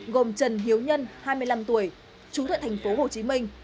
gồm trần hiếu nhân hai mươi năm tuổi chú tại thành phố hồ chí minh